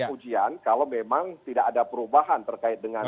ujian kalau memang tidak ada perubahan terkait dengan